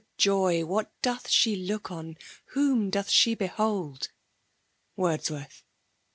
OJofl What doth she look on ? Whom doth she behold ? WOSDSWORTH.